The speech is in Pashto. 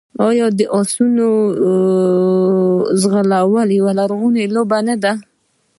آیا د اسونو ځغلول یوه لرغونې لوبه نه ده؟